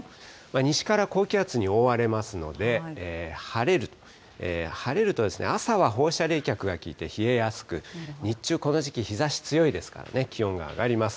西から高気圧に覆われますので、晴れる、晴れると朝は放射冷却がきいて冷えやすく、日中、この時期日ざし強いですからね、気温が上がります。